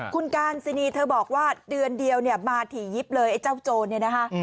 คุณการซินีเธอบอกว่าเดือนเดียวเนี่ยมาถี่ยิบเลยไอ้เจ้าโจรเนี่ยนะคะ